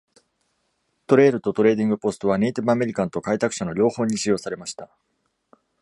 トレイルとトレーディングポストは、ネイティブアメリカンと開拓者の両方に使用されました。